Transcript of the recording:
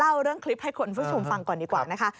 เล่าเรื่องคลิปให้คุณผู้ชมฟังก่อนดีกว่านะคะ